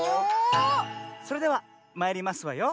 それではまいりますわよ。